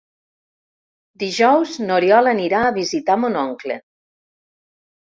Dijous n'Oriol anirà a visitar mon oncle.